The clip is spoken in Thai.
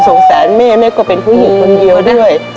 สารแม่แม่ก็เป็นผู้หญิงคนเดียวด้วย